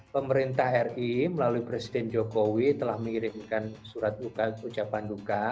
pemerintah ri melalui presiden jokowi telah mengirimkan surat ucapan duka